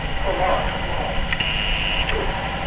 Prolonged applause. _Zut!